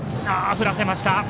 振らせました。